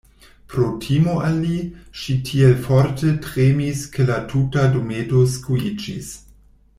Pro timo al li, ŝi tiel forte tremis ke la tuta dometo skuiĝis.